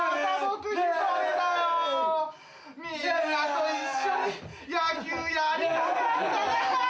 みんなと一緒に野球やりたかったなぁ。